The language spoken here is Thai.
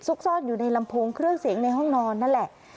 ซ่อนอยู่ในลำโพงเครื่องเสียงในห้องนอนนั่นแหละ